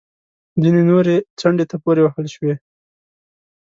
ځینې نورې څنډې ته پورې وهل شوې